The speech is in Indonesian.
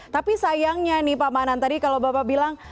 tapi sayangnya nih pak manan tadi kalau bapak bilang